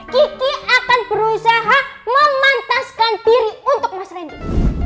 kiki akan berusaha memantaskan diri untuk mas randy